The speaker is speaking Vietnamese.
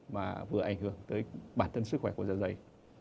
mà vừa ảnh hưởng tới bản thân sức khỏe của da dày